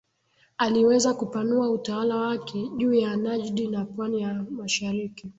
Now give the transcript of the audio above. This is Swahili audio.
aliweza kupanua utawala wake juu ya Najd na pwani ya mashariki